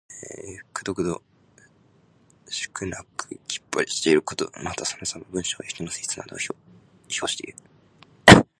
くどくどしくなくきっぱりしていること。また、そのさま。文章や人の性質などを評していう。